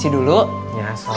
sisi ternyata dari aseho